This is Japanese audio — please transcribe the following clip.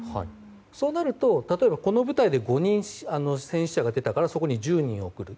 そうなると例えばこの部隊で５人、戦死者が出たからそこに１０人を送る。